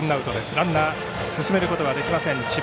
ランナー進めることができません智弁